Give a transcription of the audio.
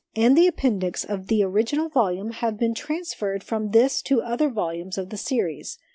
and the Appendix of the original volume have been transferred from this to other volumes of the Series.